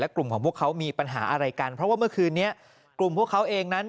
และกลุ่มของพวกเค้ามีปัญหาอะไรกัน